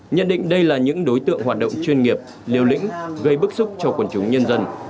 nhận định đây là những đối tượng hoạt động chuyên nghiệp liều lĩnh gây bức xúc cho quần chúng nhân dân